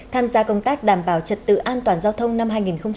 tham gia công tác đảm bảo trật tự an toàn giao thông năm hai nghìn hai mươi